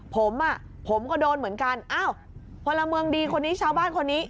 ผมอ่ะผมก็โดนเหมือนกันอ้าวพลเมืองดีคนนี้ชาวบ้านคนนี้